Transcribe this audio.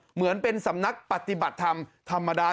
เหมือนเป็นสำนักปฏิบัติธรรมธรรมดา